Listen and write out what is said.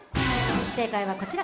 正解はこちら。